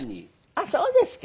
あっそうですか。